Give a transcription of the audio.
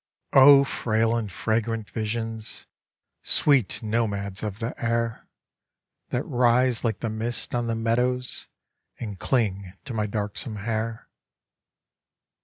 Oh, frail and fragrant visions, Sweet nomads of the air, That rise like the mist on the meadows And cling to my darksone hair.